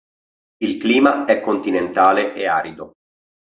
Il clima è continentale e arido.